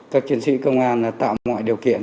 các chiến sĩ công an tạo mọi điều kiện